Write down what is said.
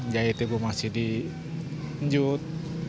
jahitnya gue masih di njut